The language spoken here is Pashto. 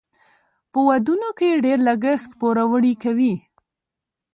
په ودونو کې ډیر لګښت پوروړي کوي.